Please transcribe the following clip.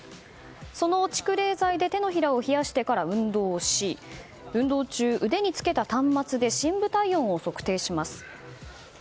その蓄冷材で手のひらを冷やしてから運動をし運動中、腕につけた端末で深部体温を測定します。